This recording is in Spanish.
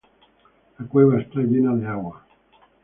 La cueva está llena del agua.